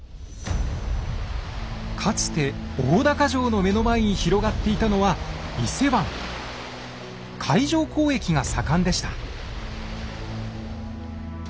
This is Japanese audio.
かつて大高城の目の前に広がっていたのは海上交易が盛んでした。